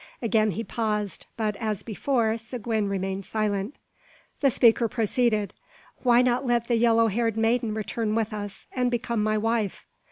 Again he paused; but, as before, Seguin remained silent. The speaker proceeded. "Why not let the yellow haired maiden return with us, and become my wife?